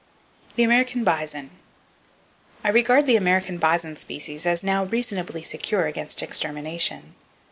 The American Bison. —I regard the American bison species as now reasonably secure against extermination.